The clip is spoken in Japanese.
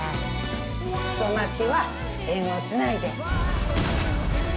太巻きは縁をつないで。